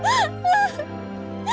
apa yang terjadi